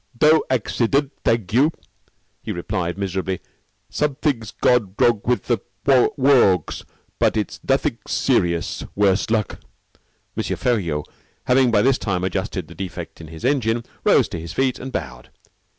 "Doe accident, thag you," he replied miserably. "Somethig's gone wrong with the worgs, but it's nothing serious, worse luck." M. Feriaud, having by this time adjusted the defect in his engine, rose to his feet, and bowed.